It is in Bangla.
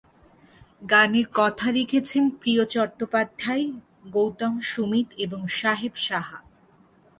গানের কথা লিখেছেন প্রিয় চট্টোপাধ্যায়, গৌতম-সুস্মিত এবং সাহেব সাহা।